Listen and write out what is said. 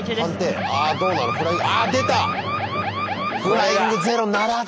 フライングゼロならず！